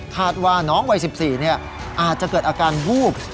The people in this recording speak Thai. ว่าน้องวัย๑๔อาจจะเกิดอาการวูบ